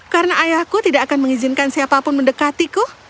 karena ayahku tidak akan mengizinkan siapa pun mendekatiku